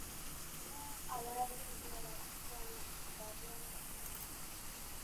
ambao awali ndio walikuwa na kibarua hicho